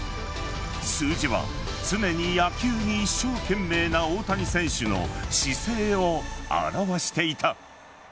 数字は、常に野球に一生懸命な大谷選手の姿勢を表していた。